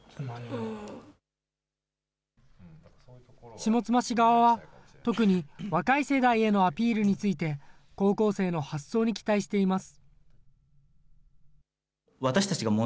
下妻市側は、特に若い世代へのアピールについて、高校生の発想に期待しています。